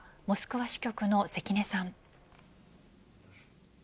モスクワ支局の関根さん。